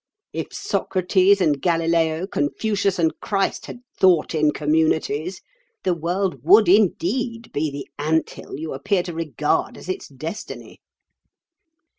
If Socrates and Galileo, Confucius and Christ had 'thought in communities,' the world would indeed be the ant hill you appear to regard as its destiny."